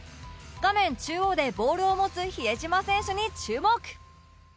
画面中央でボールを持つ比江島選手に注目！